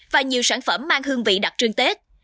và nhiều sản phẩm mang hương vị đặc trưng tết